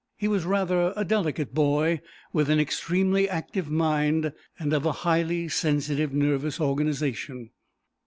He was rather a delicate boy, with an extremely active mind and of a highly sensitive, nervous organization.